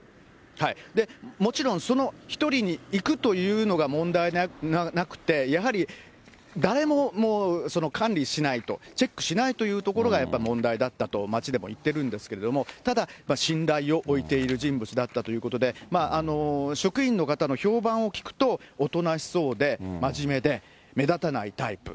もちろん、その１人にいくというのが問題ではなくて、やはり誰ももう、その管理しないと、チェックしないというところがやっぱり問題だったと、町でもいってるんですけれども、ただ、信頼を置いている人物だったということで、職員の方の評判を聞くと、おとなしそうで、真面目で、目立たないタイプ。